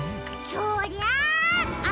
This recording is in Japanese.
そりゃあ